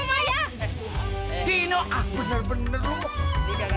berarti lu bohongin semua ya